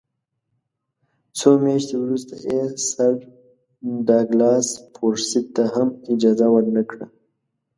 څو میاشتې وروسته یې سر ډاګلاس فورسیت ته هم اجازه ورنه کړه.